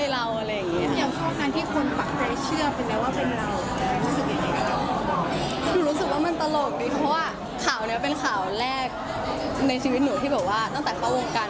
แล้วส่วนตัวเคยรู้จักผู้ฟังของคุณไหม